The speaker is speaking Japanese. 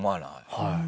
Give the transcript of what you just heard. はい。